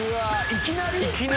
いきなり？